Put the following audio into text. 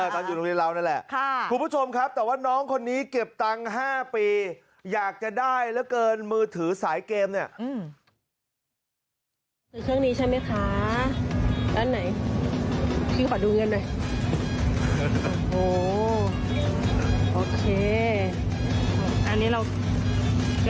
ตอนอยู่โรงเรียนเรานั่นแหละคุณผู้ชมครับแต่ว่าน้องคนนี้เก็บตังค์๕ปีอยากจะได้เหลือเกินมือถือสายเกมเนี่ย